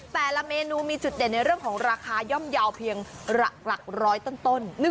แต่ละเมนูมีจุดเด่นในเรื่องของราคาย่อมเยาว์เพียงหลักร้อยต้น